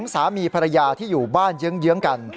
สามีภรรยาที่อยู่บ้านเยื้องกัน